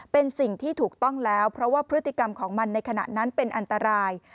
เป็นสิ่งที่ถูกต้องแล้วเพราะว่าพฤติกรรมของมันในขณะนั้นเป็นอันตราย